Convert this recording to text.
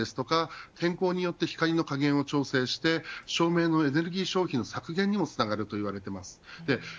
太陽の位置や天候によって光の加減を調整して照明のエネルギー消費の削減にもつながるといわれています。